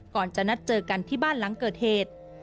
ก่อนจะนัดเจอกันที่บ้านหลังเกิดเหตุ